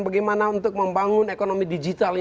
bagaimana untuk membangun ekonomi digital